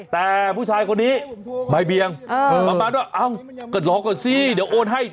แต่ผู้ชายคนนี้บ่ายเบียงประมาณว่าเอ้าก็รอก่อนสิเดี๋ยวโอนให้